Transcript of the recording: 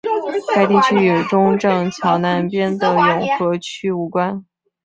该地区与中正桥南边的永和区无关。